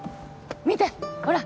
見てほら。